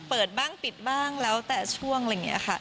เปิดบ้างปิดบ้างแล้วแต่ช่วงอะไรอย่างนี้ค่ะ